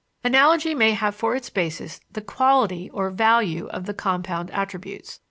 Analogy may have for its basis the quality or value of the compound attributes.